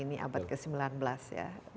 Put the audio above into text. ini abad ke sembilan belas ya